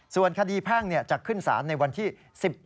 ส่วนคดีแพ่งจะขึ้นศาลในวันที่๑๗